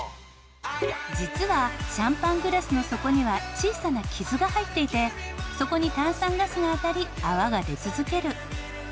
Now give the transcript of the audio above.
実はシャンパングラスの底には小さな傷が入っていてそこに炭酸ガスが当たり泡が出続ける。